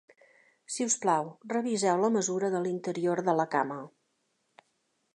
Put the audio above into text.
Si us plau reviseu la mesura de l'interior de la cama